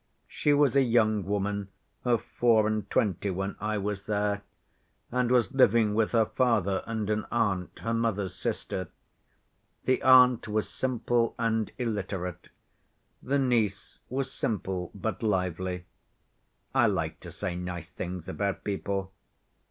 She was a young woman of four and twenty when I was there, and was living with her father and an aunt, her mother's sister. The aunt was simple and illiterate; the niece was simple but lively. I like to say nice things about people.